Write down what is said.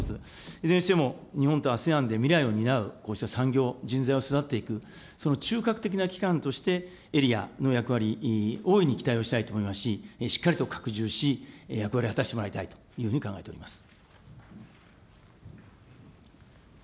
いずれにしても日本とＡＳＥＡＮで未来を担う、こうした産業、人材を育てていく、その中核的な機関として、エリアの役割、大いに期待をしたいと思いますし、しっかりと拡充し、役割を果たしてもらいたいというふうに考えております。